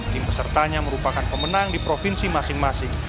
tim pesertanya merupakan pemenang di provinsi masing masing